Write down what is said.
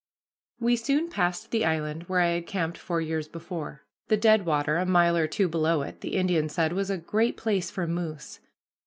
We soon passed the island where I had camped four years before. The deadwater, a mile or two below it, the Indian said was "a great place for moose."